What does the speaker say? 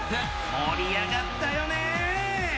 盛り上がったよねー。